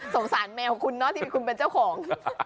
สารแมวคุณเนาะที่คุณเป็นเจ้าของ